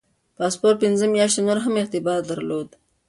پاسپورت پنځه میاشتې نور هم اعتبار درلود.